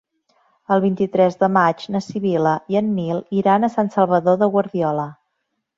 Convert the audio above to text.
El vint-i-tres de maig na Sibil·la i en Nil iran a Sant Salvador de Guardiola.